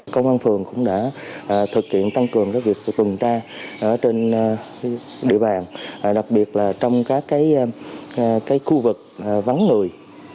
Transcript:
công an phường cũng đã thực hiện tăng cường việc tuần tra trên địa bàn đặc biệt là trong các khu vực vắng người